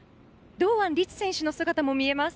堂安律選手の姿も見えます。